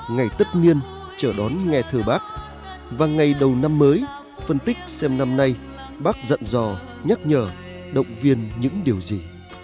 ngày tất nhiên trở đón nghe thờ bác và ngày đầu năm mới phân tích xem năm nay bác giận dò nhắc nhở động viên những điều gì